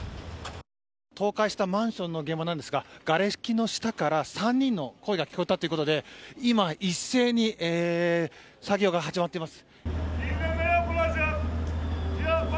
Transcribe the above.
倒壊したマンションの現場なんですががれきの下から３人の声が聞こえたということで今、一斉に作業が始まっています。